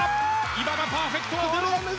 いまだパーフェクトはゼロ。